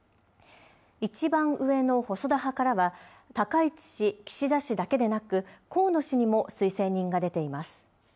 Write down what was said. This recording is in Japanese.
一番上の細田派からは高市氏、岸田氏だけでなく、河野氏にも推薦人が出ています。